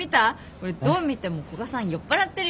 これどう見ても古賀さん酔っぱらってるよね？